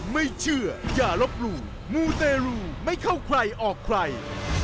ไม่เชื่ออย่าลบหลู่มูเตรูไม่เข้าใครออกใคร